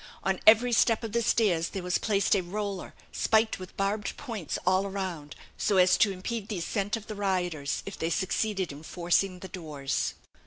On every step of the stairs there was placed a roller, spiked with barbed points all round, so as to impede the ascent of the rioters, if they succeeded in forcing the doors.